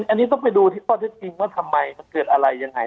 อันนี้ต้องไปดูที่ข้อเท็จจริงว่าทำไมมันเกิดอะไรยังไง